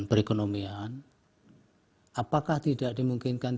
perekonomian apakah tidak dimungkinkan